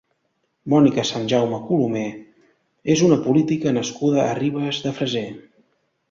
Mònica Sanjaume Colomer és una política nascuda a Ribes de Freser.